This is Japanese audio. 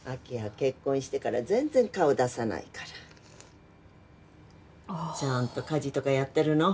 結婚してから全然顔出さないからああちゃんと家事とかやってるの？